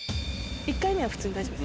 １回目は普通で大丈夫。